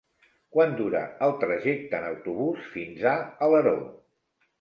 Quant dura el trajecte en autobús fins a Alaró?